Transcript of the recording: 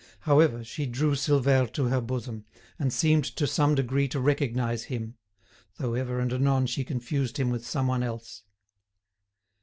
However, she drew Silvère to her bosom, and seemed to some degree to recognise him, though ever and anon she confused him with someone else.